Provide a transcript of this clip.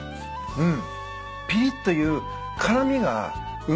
うん。